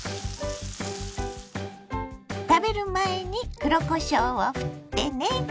食べる前に黒こしょうをふってね。